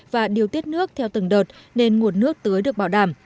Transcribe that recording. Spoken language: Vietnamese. và điều tiết nước theo từng đợt nên nguồn nước tưới được bảo đảm